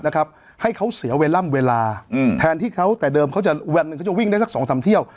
นะครับให้เขาเสียเวลาเวลาอืมแทนที่เขาแต่เดิมเขาจะวิ่งได้สักสองสามเที่ยว